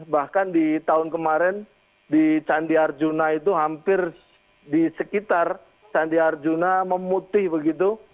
bahkan di tahun kemarin di candi arjuna itu hampir di sekitar candi arjuna memutih begitu